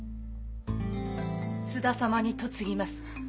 津田様に嫁ぎます。